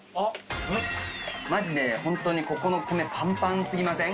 マジでホントにここの米パンパン過ぎません？